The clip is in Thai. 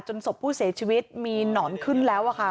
ศพผู้เสียชีวิตมีหนอนขึ้นแล้วค่ะ